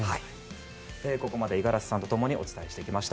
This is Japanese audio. ここまで五十嵐さんと共にお伝えしてきました。